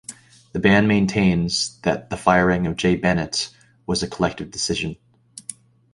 The band maintains that the firing of Jay Bennett was a collective decision.